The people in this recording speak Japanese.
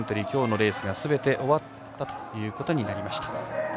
今日のレースはすべて終わったことになりました。